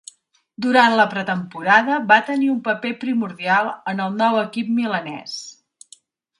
Durant la pretemporada va tenir un paper primordial en el nou equip milanès.